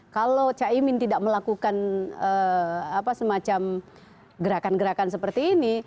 kalau caimin tidak melakukan semacam gerakan gerakan seperti ini